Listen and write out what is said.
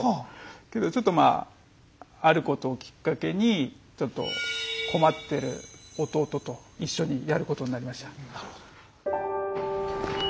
けどちょっとまああることをきっかけに困ってる弟と一緒にやることになりました。